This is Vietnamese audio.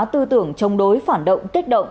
tư tưởng chống đối phản động kích động